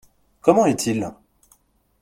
Comment est-il ?